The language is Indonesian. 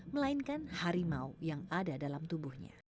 melainkan harimau yang ada dalam tubuhnya